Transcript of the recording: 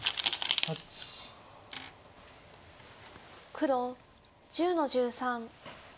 黒１０の十三。